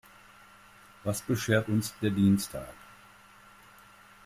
Was beschert uns der Dienstag?